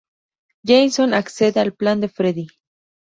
Jason accede al plan de Freddy.